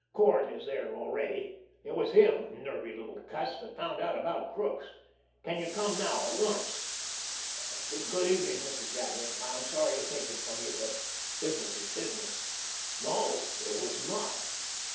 Court is there already. It was him, nervy little cuss, that found out about Crookes. Can you come now, at once? Good evening, Mrs. Jadwin. I'm sorry to take him from you, but business is business." No, it was not.